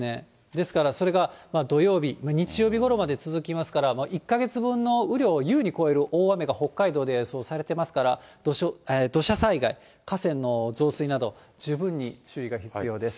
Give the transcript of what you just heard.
ですから、それが土曜日、日曜日ごろまで続きますから、１か月分の雨量を優に超える大雨が北海道で予想されてますから、土砂災害、河川の増水など、十分に注意が必要です。